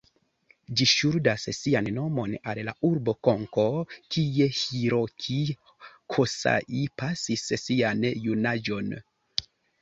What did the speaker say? Ĝi ŝuldas sian nomon al la urbo Konko, kie Hiroki Kosai pasis sian junaĝon.